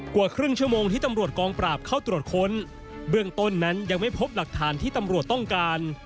กว่าครึ่งชั่วโมงที่ตำรวจกองปราบเข้าตรวจค้นเบื้องต้นนั้นยังไม่พบหลักฐานที่ตำรวจต้องการ